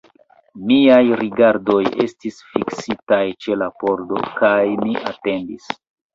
Miaj rigardoj estis fiksitaj ĉe la pordo, kaj mi atendis.